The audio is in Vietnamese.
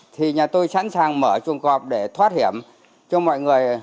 thì nhà tôi sẵn sàng mở chuồng cọp để thoát hiểm cho mọi người